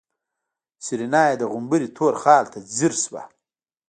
سېرېنا يې د غومبري تور خال ته ځير شوه.